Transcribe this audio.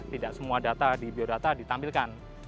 tidak semua data di biodata ditampilkan